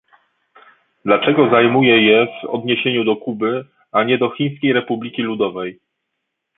Dlaczego zajmuje je w odniesieniu do Kuby, a nie do Chińskiej Republiki Ludowej?